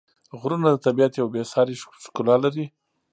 غرونه د طبیعت یوه بېساري ښکلا لري.